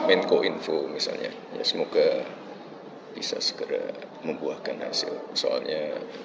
atau untuk mantau langsung ya mas hasil sidangnya